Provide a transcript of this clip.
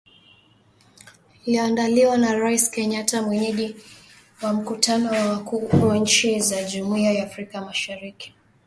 Iliyoandaliwa na Rais Kenyatta mwenyeji wa mkutano wa wakuu wa nchi za Jumuiya ya Afrika mashariki.